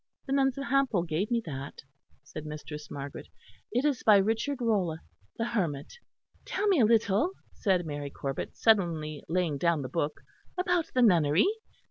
"The nuns of Hampole gave me that," said Mistress Margaret. "It is by Richard Rolle, the hermit." "Tell me a little," said Mary Corbet, suddenly laying down the book, "about the nunnery."